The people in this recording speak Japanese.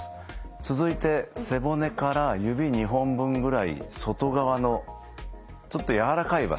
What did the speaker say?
続いて背骨から指２本分ぐらい外側のちょっとやわらかい場所